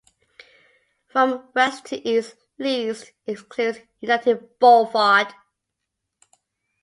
From west to east; list excludes United Boulevard.